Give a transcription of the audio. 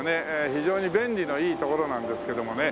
非常に便利のいいところなんですけどもね。